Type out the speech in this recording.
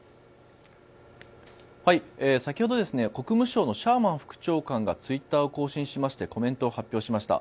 先ほど国務省のシャーマン副長官がツイッターを更新しましてコメントを発表しました。